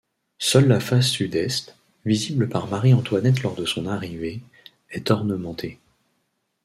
Seule la face Sud-Est, visible par Marie-Antoinette lors de son arrivée, est ornementée.